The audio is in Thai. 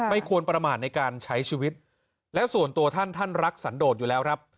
ไม่ควรประมาทในการใช้ชีวิตและส่วนตัวท่านท่านรักสันโดดอยู่แล้วครับ